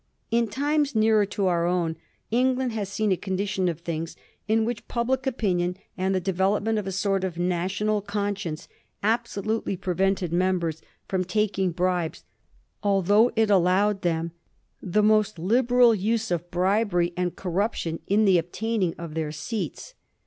In times nearer to our own Eng land has seen a condition of things in which public opinion and the development of a sort of national conscience absolutely prevented members firom taking bribes, although it allowed them the most liberal use Digiti zed by Google 304 A HISTORY OF THE FOUR GEORGES, ch. xiv. of bribery and corruption in the obtaining of their seats.